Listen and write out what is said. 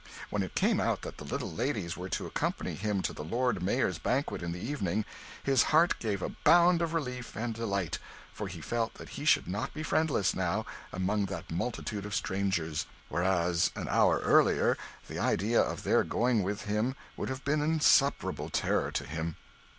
When it came out that the little ladies were to accompany him to the Lord Mayor's banquet in the evening, his heart gave a bound of relief and delight, for he felt that he should not be friendless, now, among that multitude of strangers; whereas, an hour earlier, the idea of their going with him would have been an insupportable terror to him.